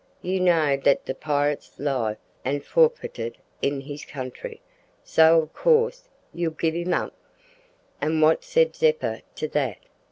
You know dat de pirit's life am forfitid to his country, so ob course you'll gib him up.'" "And what said Zeppa to that?"